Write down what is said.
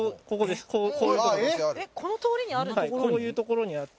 こういうところにあって。